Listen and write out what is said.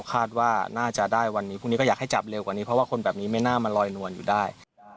คาดว่าน่าจะได้วันนี้พรุ่งนี้ก็อยากให้จับเร็วกว่านี้เพราะว่าคนแบบนี้ไม่น่ามาลอยนวลอยู่ได้